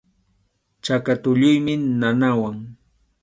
Chaka tulluymi nanawan.